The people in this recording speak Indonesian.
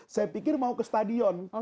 saya pikir mau ke stadion